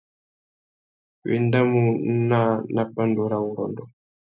Wa endamú naā nà pandúrâwurrôndô.